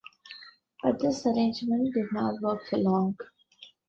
But this arrangement did not work for long.